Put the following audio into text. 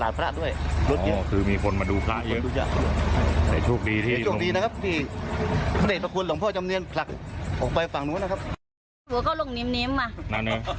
ดีไม่ตีไปข้างโน้น